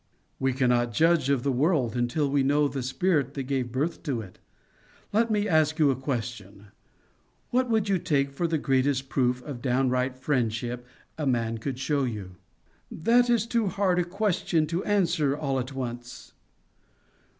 "We cannot judge of the word until we know the spirit that gave birth to it. Let me ask you a question: What would you take for the greatest proof of downright friendship a man could show you?" "That is too hard a question to answer all at once."